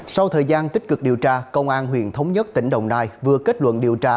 sau thời gian tích cực điều tra công an huyện thống nhất tỉnh đồng nai vừa kết luận điều tra